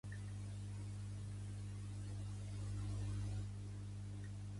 El meu fill es diu Guim: ge, u, i, ema.